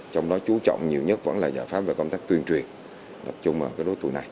trong đó chú trọng nhiều nhất vẫn là giải pháp về công tác tuyên truyền tập trung vào cái đối tượng này